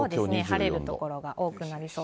晴れる所が多くなりそう。